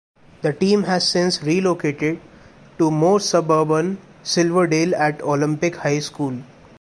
The team has since relocated to more suburban Silverdale at Olympic High School.